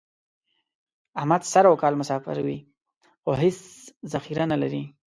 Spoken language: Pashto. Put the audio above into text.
احمد سر او کال مسافر وي، خو هېڅ ذخیره نه لري.